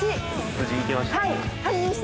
無事いけました？